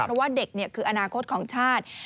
เพราะว่าเด็กคืออนาคตของชาติ